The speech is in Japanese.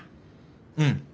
うん。